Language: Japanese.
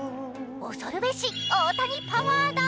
恐るべし、大谷パワーだ。